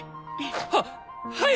はっはい！